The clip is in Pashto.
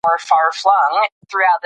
نڅا کول هم فزیکي فعالیت دی.